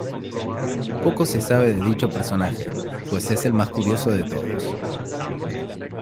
Poco se sabe de dicho personaje, pues es el más curioso de todos.